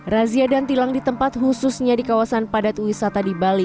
razia dan tilang di tempat khususnya di kawasan padat wisata di bali